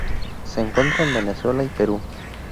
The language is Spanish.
Se encuentra en Venezuela y Perú.